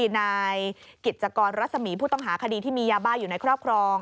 นายกิจกรรัศมีผู้ต้องหาคดีที่มียาบ้าอยู่ในครอบครอง